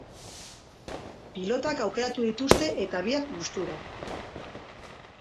Pilotak aukeratu dituzte eta biak gustura.